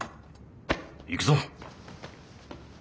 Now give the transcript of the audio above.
行くぞ。